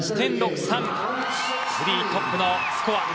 フリートップのスコア。